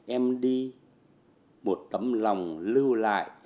em đi một tấm lòng lưu lại